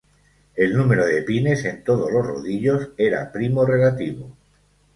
El número de pines en todos los rodillos era primo relativo.